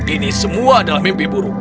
ini semua adalah mimpi buruk